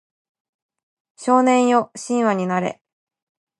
少年よ神話になれ